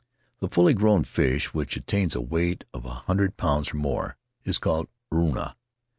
The fully grown fish, which attains a weight of a hundred pounds or more, is called urua.